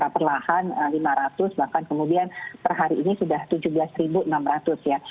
perlahan lima ratus bahkan kemudian per hari ini sudah tujuh belas enam ratus ya